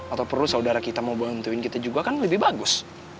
atau perlu saudara kita mau bantuin kita juga kan lebih bagus